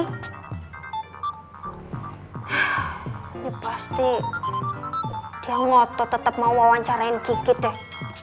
hah ini pasti dia ngotot tetep mau wawancarain kiki deh